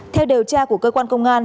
theo điều tra của cơ quan công an